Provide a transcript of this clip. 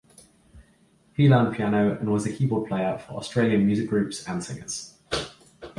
He learned piano and was a keyboard player for Australian music groups, and singers.